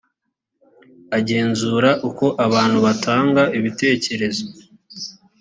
agenzura uko abantu batanga ibitekerezo .